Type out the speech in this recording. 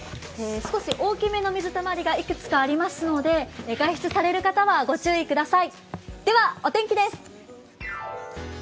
少し大きめの水たまりがいくつかありますので外出される方はご注意ください。